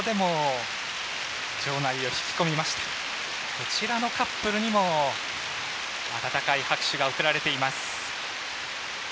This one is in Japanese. こちらのカップルにも温かい拍手が送られています。